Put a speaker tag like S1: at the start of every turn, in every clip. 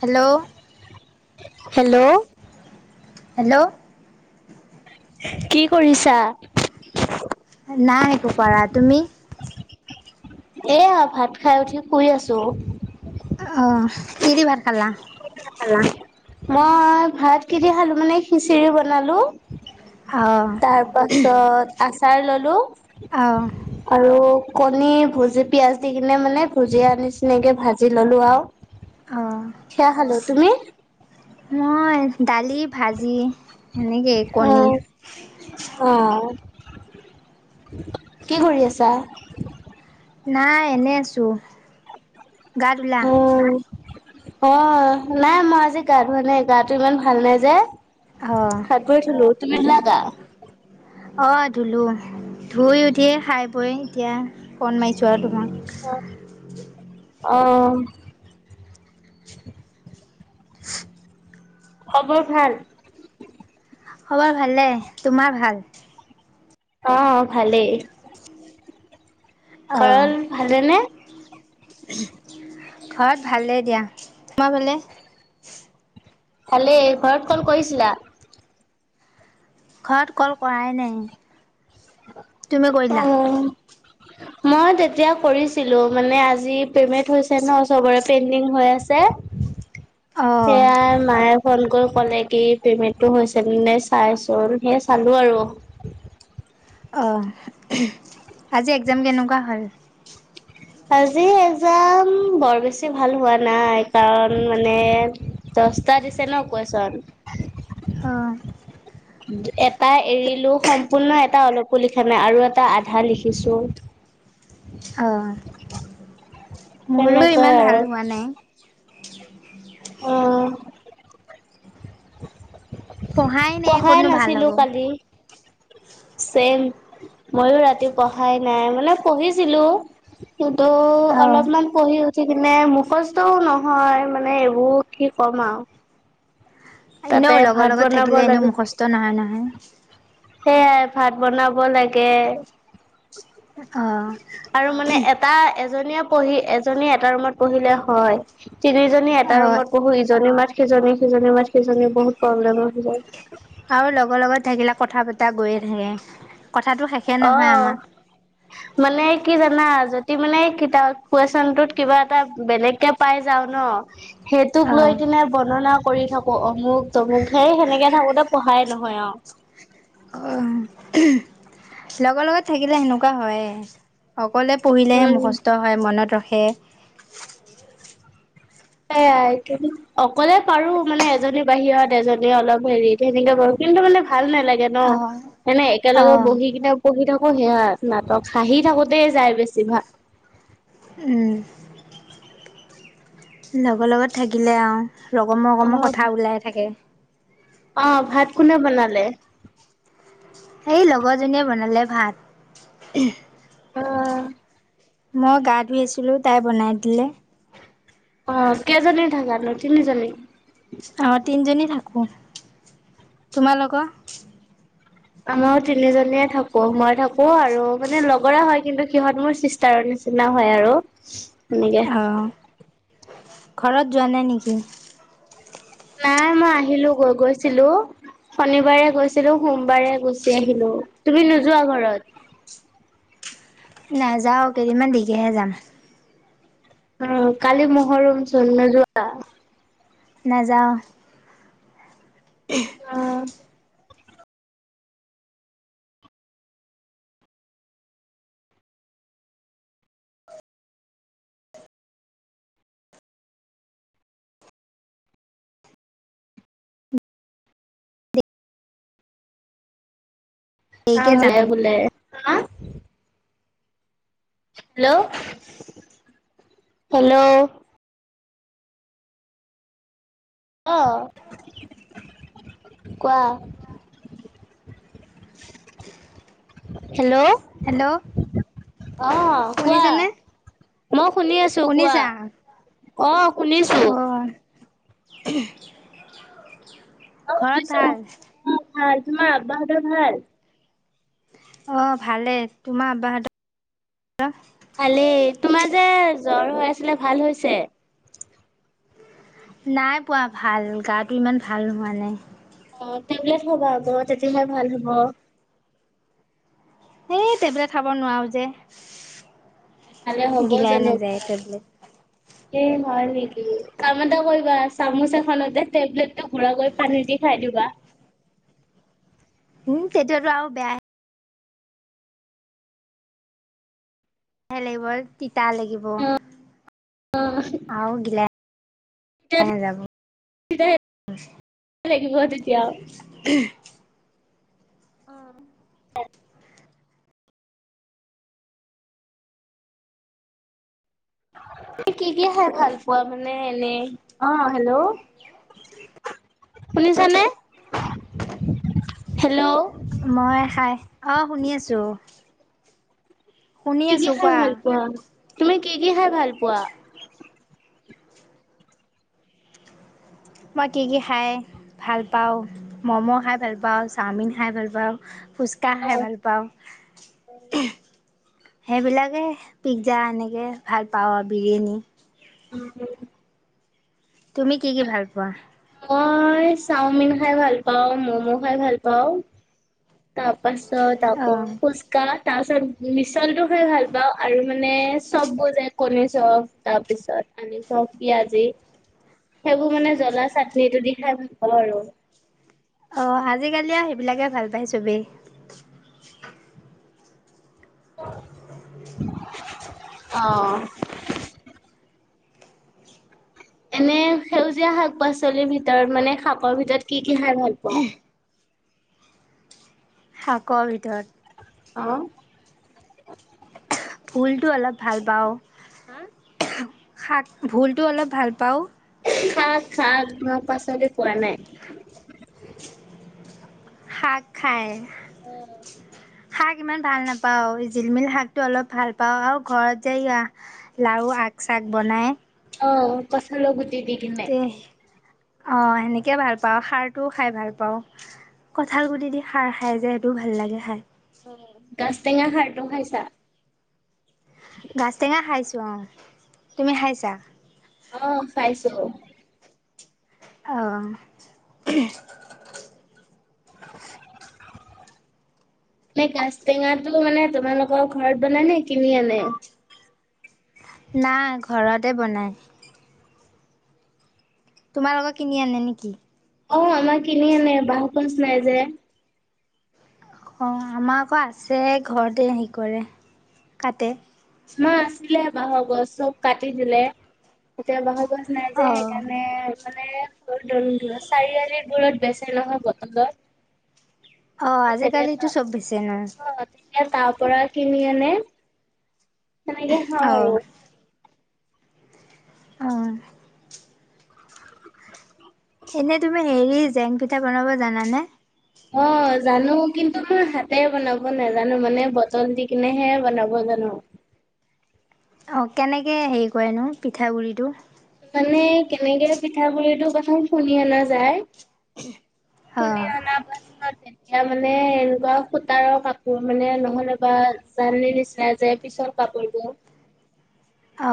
S1: Hello
S2: hello
S1: hello
S2: কি কৰিছা
S1: নাই একো কৰা তুমি
S2: এয়া ভাত খাই উঠি শুই আছো
S1: অঁ কি দি ভাত খালা?
S2: মই ভাত কেইটা খালো মানে খিচিৰি বনালো
S1: অ'
S2: তাৰ পাছত আচাৰ ললো
S1: আহ
S2: আৰু কণী ভুজি পিয়ঁাজ দি কিনে মানে ভুজিয়া নিচিনাকে ভাজি ললো আৰু
S1: উ
S2: খেয়া হালো তুমি
S1: দালী ভাজি এনেকৈ
S2: অ', কি কৰি আছা
S1: নাই এনে আছো গা ধুলা
S2: অ', অ নাই মই আজি গা ধোৱা নাই গাটো ইমান ভাল নাই যে
S1: অ'
S2: খ গৈঠলো তুমি ধুলা গা
S1: অঁ ধুলোঁ ধুই উঠিয়ে খাই বৈ এতিয়া ফোন মাৰিছোঁ আৰু তোমাক
S2: অ খবৰ ভাল
S1: খবৰ ভালে তোমাৰ ভাল
S2: অ ভালেই
S1: অ'
S2: খৰল ভালে নে
S1: ঘৰত ভালেই দিয়া তোমাৰ ফালে
S2: ভালেই ঘৰত কল কৰিছিলা
S1: ঘৰত কল কৰাই নাই তুমি কৰিলা
S2: অ তেতিয়া কৰিছিলো মানে আজি পেমেন্ট হৈছে ন চবৰে পেডিং হৈ আছে
S1: [unintelligible] অ'
S2: সেয়াই মায়ে ফোন কৰি ক'লে কি পেমেন্টটো হৈছে ন নে চাইচোন হে চালো আৰু
S1: অ আজি এক্জাম কেনেকুৱা হল
S2: আজি এক্জাম বৰ বেছি ভাল হোৱা নাই কাৰণ মানে দচটা দিছে ন কুৱেচন
S1: অ
S2: এটা এৰিলো সম্পূৰ্ণ এটা অলপো লিখা নাই আৰু এটা আধা লিখিছো
S1: অ মোৰো
S2: তেনেকুৱাই
S1: ইমান ভাল
S2: আৰু
S1: হোৱা নাই।
S2: অঁ
S1: পঢ়াই নাই কতনো ভাল
S2: নাছিলো
S1: হ'ব
S2: কালি চেম মইও ৰাতি পঢ়াই নাই মানে পঢ়িছিলো কিন্তু
S1: অ',
S2: অলপমান পঢ়ি উঠি কিনে মুখস্থও নহয় মানে এইবোৰ কি ক'ম আও
S1: এনেও লগৰ লগত থাকিলে এনেও
S2: লাগে
S1: মুখস্থ নহয় নহয়
S2: সেয়াই ভাত বনাব লাগে
S1: অ',
S2: আৰু মানে এটা এজ এজনীয়ে পঢ়ি এজনী এটা ৰুমত পঢ়িলে হয় তিনিজনী এটা
S1: অ',
S2: ৰুমত পঢ়ো ইজনী মাত সিজনীয়ে সিজনীৰ মাত সিজনীৰ বহুত প্ৰব্লেম হৈ যায়
S1: আৰু লগৰ লগত থাকিলে কথা পতা গৈয়ে থাকে কথাটো শেষে
S2: অ
S1: নহয় আমাৰ।
S2: মানে কি জানা যদি মানে কিতাপ কুৱেচনটোত কিবা এটা বেলেগকে পাই যাও ন সেইটোক লৈ
S1: অ',
S2: কিনে বৰ্ননা কৰি থাকো অমুক তমুক সেই সেনেকে থাকোতে পঢ়াই নহয় আও
S1: অ লগৰ লগত থাকিলে সেনেকুৱা হয়ে অকলে পঢ়িলেহে
S2: উম
S1: মুখস্থ হয় মনত ৰখে সেই [unintelligible]
S2: কি অকলে পাৰো মানে এজনী বাহিৰত এজনী অলপ হেৰিত সেনেকে পাৰো কিন্তু মানে ভাল ভাল নালাগে ন
S1: অ',
S2: এনে একেলগে
S1: অ',
S2: বহি কিনে পঢ়ি থাকো সেয়া নাটক হাঁহি থাকোতে যায় বেছি ভাগ
S1: উম, লগৰ লগত থাকিলে অ ৰকমৰ
S2: অ
S1: ৰকমৰ কথা ওলাই থাকে
S2: অ ভাত কোনে বনালে
S1: এই লগৰজনীয়ে বনালে ভাত
S2: অ
S1: মই গা ধুই আছিলো তাই বনাই দিলে
S2: অ কেইজনী থাকা নো তিনিজনী
S1: অ তিনিজনী থাকো তোমালোকৰ
S2: আমাৰো তিনিজনীয়ে থাকো মই থাকো আৰু মানে লগৰে হয় কিন্তু সিহত মোৰ চিষ্টাৰৰ নি নিচিনা হয় আৰু সেনেকে
S1: অঁ ঘৰত যোৱা নাই নিকি
S2: নাই মই আহিলো গৈ গৈছিলো শনিবাৰে গৈছিলো সোমবাৰে গুচি আহিলো তুমি নোযোৱা ঘৰত
S1: নাযাও কেইদিনমান দেইকেহে যাম
S2: অ কালি মহৰম চোন নোযোৱা
S1: নাযাওঁ
S2: অ অ
S1: দেৰিকে যাম
S2: ভালে ভুল হেল্ল' হেল্ল' অ কোৱা হেল্ল'
S1: হেল্ল'
S2: অহ কোৱা
S1: শুনিছানে
S2: মই শুনি আছো কোৱা
S1: শুনিছা
S2: অ শুনিছো
S1: অঁ
S2: অ
S1: ঘৰত
S2: শুনিছো
S1: ভাল
S2: অ ভাল তোমাৰ আব্বা হতৰ ভাল
S1: অ ভালে তোমাৰ আব্বা হতৰ
S2: ভালে তোমাৰ যে জ্বৰ হৈ আছিলে ভাল হৈছে
S1: নাই পোৱা ভাল গাটো ইমান ভাল নোহোৱা নাই
S2: অ টেবলেট খাবা আক তেতিয়াহে ভাল হ'ব
S1: সেই টেবলেট খাব নোৱাৰো যে
S2: তেহলে হ'ব
S1: গিলাই নাযায়
S2: [unintelligible]
S1: টেবলেট
S2: এ হয় নেকি কাম ত কা চামুচাখনতে টেবলেট গ ঘুৰা কৰি পানী দি খাই পিব [unintelligible]
S1: [inaudible] উ সেইটোয়তো আৰু বেয়া লে লাগিব তিতা লাগিব আৰু গিলচ
S2: বত এতিয়া [unintelligible] অ [unintelligible] কি কি খে ভাল পোৱা মানে এনে। অ', হেল্ল'। শুনিছানে হেল্ল',
S1: মই খাই অ শুনি আছোঁ। শুনি
S2: কি, কি
S1: আছোঁ
S2: খাই
S1: কোৱা
S2: ভাল পোৱা তুমি কি, কি খাই ভাল পোৱা।
S1: মই কি, কি খায়। ভাল পাওঁ ম'ম' খাই ভাল, পাওঁ চাওমিন খাই ভাল পাওঁ। ফুচকা খাই ভাল পাওঁ। সেইবিলাকে পিজ্জা এনেকে ভাল পাওঁ আৰু বিৰিয়ানী।
S2: উম।
S1: তুমি কি, কি ভাল পোৱা।
S2: মই চাওমিন খাই ভাল পাওঁ মম' খাই ভাল পাওঁ তাৰপাছ চ তাকো
S1: অঁ
S2: পোচকা তাৰপিছত মিছলটো খাই ভাল পাওঁ আৰু মানে চববোৰ যায় কণী চফ তাৰপিছত আলু চৌফ পিয়জী সেইবোৰ মানে জ্বলা চাটনিটো দি খাই ভাল পাওঁ আৰু।
S1: অ', আজিকালিয়ে সেইবিলাকে ভাল পায় চবেই।
S2: আহ। এনে সেউজীয়া শাক পাচলিৰ ভিতৰত মানে শাকপৰ ভিতৰত কি কি খাই ভাল পাোৱা।
S1: শাকৰ ভিতৰত
S2: অহ',
S1: ভুলতটো অলপ ভোল পাওঁ
S2: হা
S1: শাক ভুলতটো অলপ ভাল পাওঁ।
S2: [unintelligible] মাৰ পাছতে পোৱা নাই
S1: শাক খায়।
S2: [inaudible]
S1: শাক ইমান ভাল নাপাও জিলমিল শাক টো অলপ ভাল পাওঁ আৰু ঘৰত যে লাৰু আগ শাক চাক বনাই
S2: অ', কঠালৰ গুটি দিকিনে
S1: অ', সেনেকে ভাল পাওঁ সাৰটোও খাই ভাল পাওঁ। কঁঠাল গুটি দি খাৰ খাই যে সেইটোও ভাল লাগে খাই
S2: অ', গাজটেঙা খাৰটো খাইছা।
S1: গাজ টেঙা খাইছোঁ অ', তুমি খাইছা।
S2: অহ, খাইছো।
S1: অহ। [inaudible]
S2: এ গাজ টেঙাটো মানে তোমালোকৰ ঘৰত বন নে কিনি আনে।
S1: নাই ঘৰতে বনায়। তোমালোকৰ কিনি আনে নেকি।
S2: অ', আমাৰ কিনি আনে বাঁহ গছ নাই যে।
S1: অ', আমাৰ আকৌ আছে ঘৰতে হেৰি কৰে কাটে।
S2: মা আছিলে বাঁহৰ গছ চব কাটি দিলে ততিয়া বাঁহৰ গছ। নাযায়
S1: অঁ
S2: সেইকাৰণে মানে চাৰিআলিৰ বোৰত বেচে নহয় বটলত
S1: অঁ
S2: তেতিয়া
S1: আজিকালিতো চব বেচে ন
S2: আহ তেতিয়া তাৰ পৰা কিনি আনে। তেনেকে খাওঁ
S1: অঁ
S2: আৰু।
S1: অহ। এনে তুমি হেৰি জেং পিঠা বনাব জানানে।
S2: অ জানো কিন্তু মই হাতে বনাব নাজানো মানে বটল দি কিনেহে বনাব জানো।
S1: অ কেনেকে হেৰি কৰেনো পিঠাগুৰিটো।
S2: মানে কেনেকে পিঠাগুৰিটো প্ৰথম খুন্দি অনা যায়।
S1: অ
S2: খুন্দি অনা পাছত। এয়া মানে এনেকুৱা সূতাৰৰ কাপোৰ মানে নহলে বা জালিৰ নিচিনা যে পিছল। কাপোৰবোৰ।
S1: অ।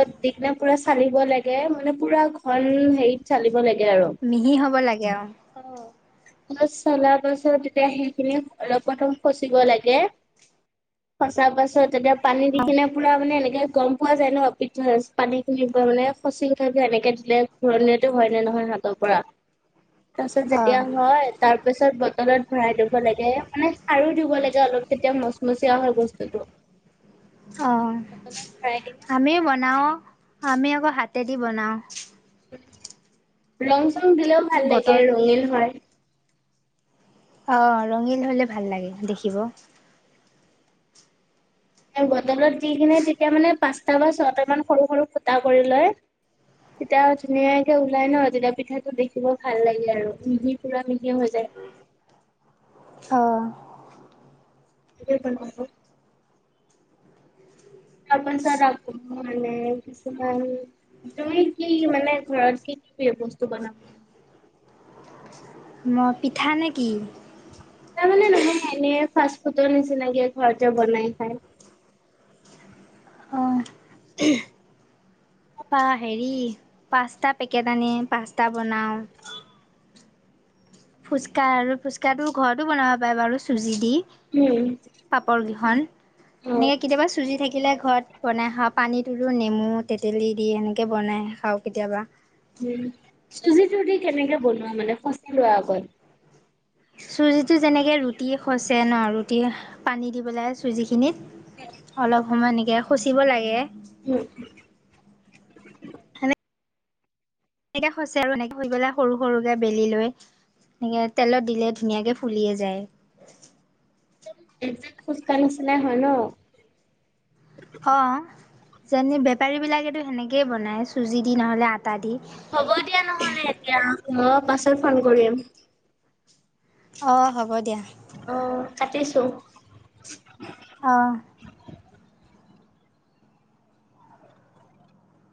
S2: অলপ [unintelligible] পুৰা চালিব লাগে মানে পুৰা ঘন হেৰিত চালিব লাগে। আৰু।
S1: মিহি হ'ব লাগে আৰু।
S2: চলাৰ পাছত তেতিয়া সেইখিনি অলপ প্ৰথম সচিব লাগে। সচাৰ পাছত এতিয়া পানী দি কিনে পুৰা মানে এনেকে গম। পোৱা যায় নয় পিঠ পানীখিনি মানে ফচিং থাকে এনেকৈ দিলে ঘূৰণো হয় নে নহয় হাতত। পৰা। তাৰ পাছ
S1: অ
S2: যেতিয়া হয় তাৰ পিছত বটলত ভৰাই দিব লাগে মানে ক্ষাৰো দিব লাগে অলপ। তেতিয়া মচমচিয়া হয় বস্তুতো।
S1: অহ।
S2: কিনে
S1: আমিও
S2: বটলত
S1: বনাওঁ আমি আকৌ হাতেদি বনাওঁ।
S2: ৰং চং দিলেও ভাল লাগে
S1: বটল
S2: ৰঙীন হয়।
S1: অ ৰঙীল হলে ভাল লাগে দেখিব।
S2: বটলত দি কিনে তেতিয়া মানে পাঁচটা বা ছয়টা মান সৰু সৰু ফুটা কৰি লয়। তেতিয়া ধুনীয়াকে ওলাই নহ তেতিয়া পিঠাটো দেখিব ভাল লাগে আৰু মিহি পুৰা মিহি হৈ যায়।
S1: অহ।
S2: [unintelligible] তাৰপিছত মানে কিছুমান। তুমি কি মানে ঘৰত কি কি প্ৰিয় বস্তু বনাব।
S1: মই পিঠা নে কি।
S2: তাৰ মানে নহয় এনে ফাষ্ট ফুডৰ নিচিনাকে ঘৰতে বনাই খাই।
S1: [unintelligible] অ পা হেৰি পাস্তা পেকেট আনি পাস্তা বনাওঁ। ফুচকা আৰু ফুচকাটো ঘৰতো বনাব পাৰে বাৰু চুজি দি।
S2: উম,
S1: পাপৰ কেইখন
S2: অ',
S1: এনেকে কেতিয়াবা চুজি থাকি। কিলে ঘৰত বনাই খাওঁ পানীটোতো নেমু তেতেলী দি এনেকৈ বনাই খাওঁ কেতিয়াবা।
S2: উম চুজি চুজি কেনেকে বনোৱা মানে ফচি লোৱা আগত?
S1: চুজিটো যেনেকে ৰুটি খচে ন ৰুটি পানী দি পেলাই চুজিখিনিত। অলপ সময় এনেকে শুচিব লাগে।
S2: উম।
S1: এনে খচে আৰু এনেকৈ লৈ পেলায় সৰু সৰুকে বেলি লৈ। সেনেকে তেলত দিলে ধুনীয়াকে ফুলিয়ে যায়।
S2: খোজকাঢ়িছিলে হয় নহ।
S1: অ যেনে বেপাৰী বিলাকেতো সেনেকেই বনাই চুজি দি নহ'লে আ।
S2: হ'ব দিয়া নহলে এতিয়া অহ পাছত ফোন কৰিম।
S1: অ হ'ব দিয়া।।
S2: অ কাটিছোঁ।
S1: অহ।